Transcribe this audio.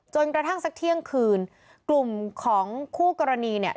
กระทั่งสักเที่ยงคืนกลุ่มของคู่กรณีเนี่ย